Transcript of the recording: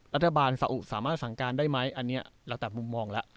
รัฐบาลสาอุสามารถสั่งการได้ไหมอันนี้แล้วแต่มุมมองแล้ว